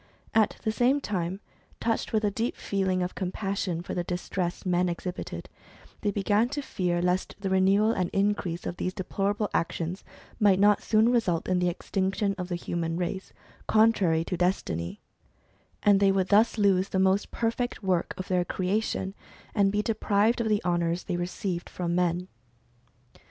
At the same time, touched with a deep feeling of compassion for the distress men exhibited, they began to fear lest the renewal and increase of these deplorable actions might not soon result in the extinction of the human race, contrary to destiny, and they would thus lose the most perfect work of their creation, and be deprived of the honours they received from men.